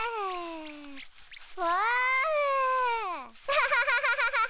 アハハハハ！